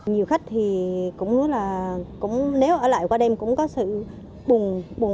nhiều khách thì cũng nói là nếu ở lại qua đêm cũng có sự buồn bỏ